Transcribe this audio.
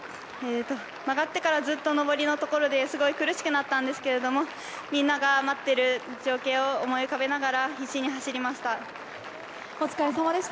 曲がってからずっと上りの所ですごい苦しくなったんですけどみんなが待っている情景を思い浮かべながらお疲れさまでした。